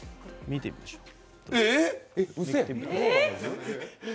見てみましょう。